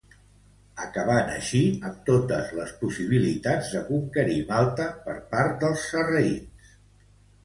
Acabant així amb totes les possibilitats de conquerir Malta per part dels sarraïns.